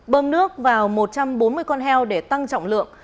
bơm nước vào một trăm bốn mươi con heo để tăng trọng lượng